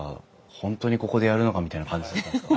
本当にここでやるのかみたいな感じだったんですか？